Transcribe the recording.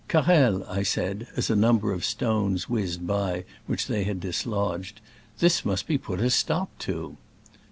"Carrel," I said, as a number of stones whizzed by which they had dislodged, '* this must be put a stop to."